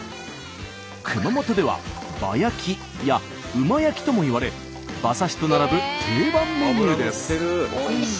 熊本では「馬焼き」や「馬焼き」ともいわれ馬刺しと並ぶ定番メニューです。